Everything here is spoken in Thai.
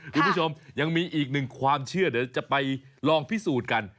คุณผู้ชมยังมีอีกหนึ่งความเชื่อเดี๋ยวจะไปลองพิสูจน์กัน